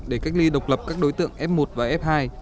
để cách ly độc lập các đối tượng f một và f hai